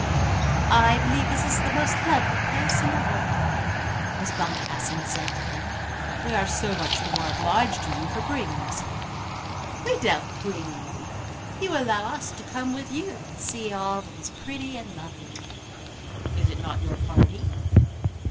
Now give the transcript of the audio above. "I believe this is the most lovely place in the world," Miss Boncassen said to him. "We are so much the more obliged to you for bringing us here." "We don't bring you. You allow us to come with you and see all that is pretty and lovely." "Is it not your party?"